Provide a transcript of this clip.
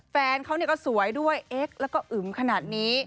แฟนเขาก็สวยด้วยเอ็กซ์แล้วก็อึมขนาดนี้